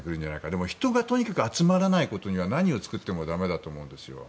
でも人がとにかく集まらないことには何を作っても駄目だと思うんですよ。